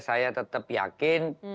saya tetap yakin